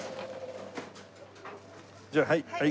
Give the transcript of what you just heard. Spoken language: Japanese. じゃあはいはい。